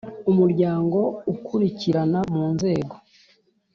Umuryango ukurikirana mu nzego